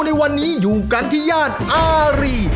ในวันนี้อยู่กันที่ย่านอารี